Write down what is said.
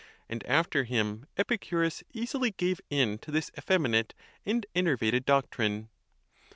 And after him Epicurus easily gave in to this effeminate and enervated doctrine.